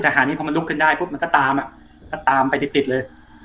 ทหารนี้พอกลับรุกขึ้นได้ก็ตามไปติดเลย